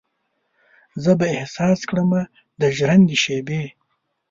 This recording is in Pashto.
زه به احساس کړمه د ژرندې شیبې